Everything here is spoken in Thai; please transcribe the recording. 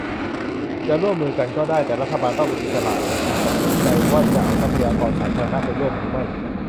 จะร่วมมือกันก็ได้ แต่รัฐบาลต้องมีอิสระในการตัดสินใจว่าจะเอาทรัพยากรสาธารณะไปร่วมหรือไม่